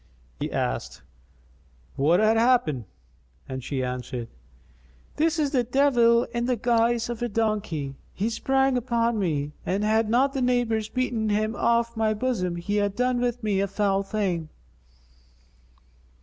He asked, "What hath happened?"; and she answered, "This is a devil in the guise of a donkey. He sprang upon me, and had not the neighbours beaten him off my bosom he had done with me a foul thing."